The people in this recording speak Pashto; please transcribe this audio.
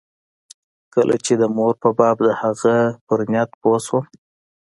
کله چې د مور په باب د هغه پر نيت پوه سوم.